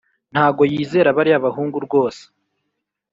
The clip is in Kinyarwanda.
Ntago yizera bariya bahungu rwose